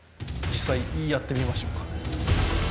実際やってみましょうか。